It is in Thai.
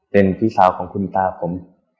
เป็นพี่สาวของคุณตาผม